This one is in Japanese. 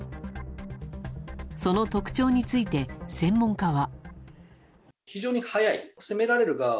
その特徴について専門家は。